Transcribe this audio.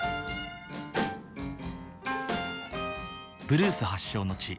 ブルース発祥の地